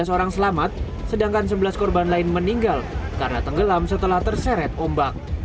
tiga belas orang selamat sedangkan sebelas korban lain meninggal karena tenggelam setelah terseret ombak